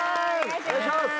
お願いします